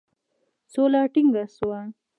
سوله ټینګه سوه.